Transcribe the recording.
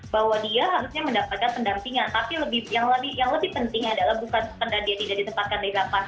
bahwa dia harusnya mendapatkan pendampingan tapi yang lebih penting adalah bukan sekedar dia tidak ditempatkan di lapas